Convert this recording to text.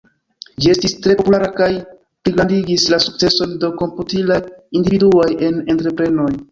Ĝi estis tre populara kaj pligrandigis la sukceson de komputilaj individuaj en entreprenoj.